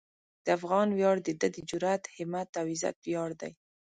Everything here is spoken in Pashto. د افغان ویاړ د ده د جرئت، همت او عزت ویاړ دی.